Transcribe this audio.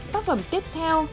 tác phẩm tiếp theo